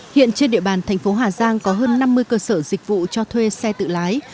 hiện trên địa bàn thành phố hà giang có hơn năm mươi cơ sở dịch vụ cho thuê xe tự lái